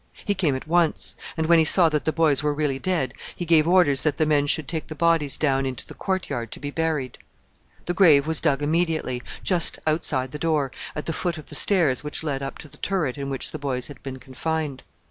He came at once, and, when he saw that the boys were really dead, he gave orders that the men should take the bodies down into the court yard to be buried. The grave was dug immediately, just outside the door, at the foot of the stairs which led up to the turret in which the boys had been confined.